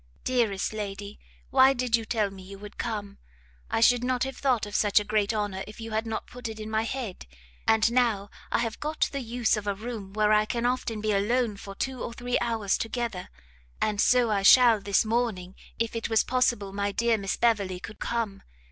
Dearest lady, why did you tell me you would come? I should not have thought of such a great honour if you had not put it in my head. And now I have got the use of a room where I can often be alone for two or three hours together. And so I shall this morning, if it was possible my dear Miss Beverley could come.